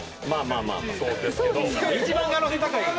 そうですけど。